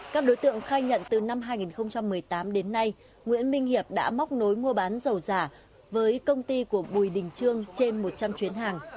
các đối tượng khai nhận từ năm hai nghìn một mươi tám đến nay nguyễn minh hiệp đã móc nối mua bán dầu giả với công ty của bùi đình trương trên một trăm linh chuyến hàng